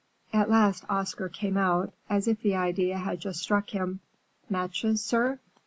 At last Oscar came out, as if the idea had just struck him, "Matches, sir?"